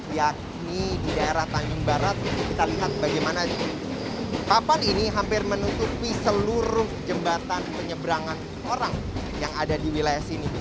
yakni di daerah tanjung barat kita lihat bagaimana papan ini hampir menutupi seluruh jembatan penyeberangan orang yang ada di wilayah sini